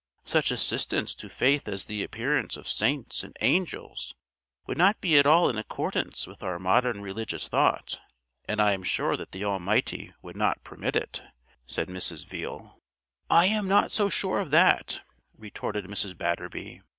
Such assistance to faith as the appearance of saints and angels would not be at all in accordance with our modern religious thought, and I am sure that the Almighty would not permit it," said Mrs. Veale. "I am not so sure of that," retorted Mrs. Batterby.